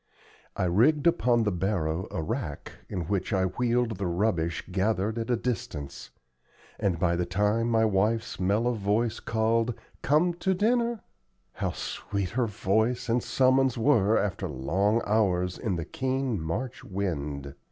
I rigged upon the barrow a rack, in which I wheeled the rubbish gathered at a distance; and by the time my wife's mellow voice called, "Come to dinner" how sweet her voice and summons were after long hours in the keen March wind!